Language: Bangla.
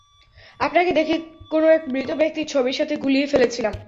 আপনাকে দেখে কোন এক মৃত ব্যাক্তির ছবির সাথে গুলিয়ে ফেলেছিলাম।